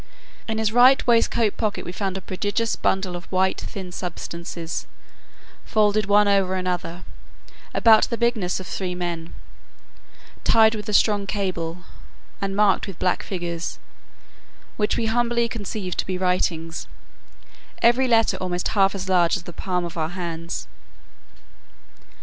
In his right waistcoat pocket we found a prodigious bundle of white thin substances, folded one over another, about the bigness of three men, tied with a strong cable, and marked with black figures; which we humbly conceive to be writings, every letter almost half as large as the palm of our hands.